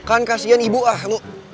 kan kasihan ibu ah lo